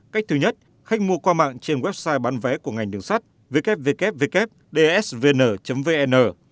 cách thứ nhất khách mua qua mạng trên website bán vé của ngành đường sắt ww dsvn vn